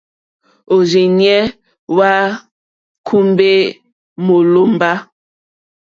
Òrzìɲɛ́ hwá kùmbè mólòmbá.